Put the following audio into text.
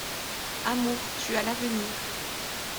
Amour, tu as l'avenir.